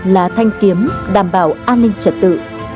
là thanh kiếm đảm bảo an ninh trật tự